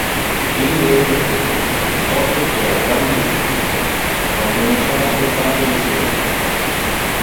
In retrospectiva, toto era jam decidite quando nos ha ascoltate le sirena.